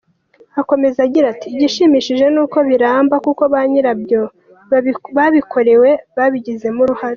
Akomeza agira ati “Igishimishije ni uko biramba kuko ba nyira byo babikorewe babigizemo uruhare.